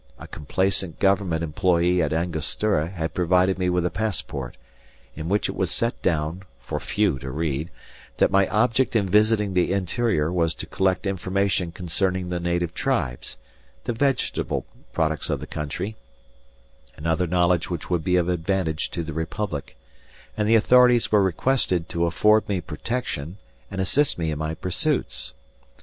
A complaisant government employee at Angostura had provided me with a passport, in which it was set down (for few to read) that my object in visiting the interior was to collect information concerning the native tribes, the vegetable products of the country, and other knowledge which would be of advantage to the Republic; and the authorities were requested to afford me protection and assist me in my pursuits.